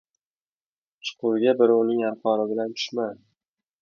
• Chuqurga birovning arqoni bilan tushma.